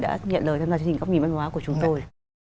đã nhận lời tham gia chương trình góc nhìn văn hóa của chúng tôi